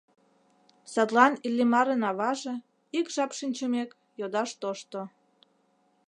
Садлан Иллимарын аваже, ик жап шинчымек, йодаш тошто: